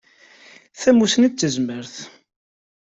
Tamussni d tazmert.